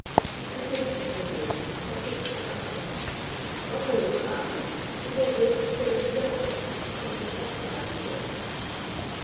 It wasn't ambiguous, but Kate stood up to it. "Luckily for us we may really consider she doesn't. So successful have we been."